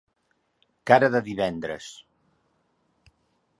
Cara de divendres.